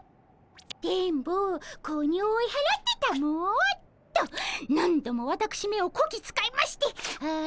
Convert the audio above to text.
「電ボ子鬼を追い払ってたも」。と何度もわたくしめをこき使いましてあしんど。